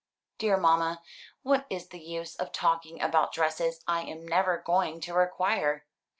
"Dear mamma, what is the use of talking about dresses I am never going to require?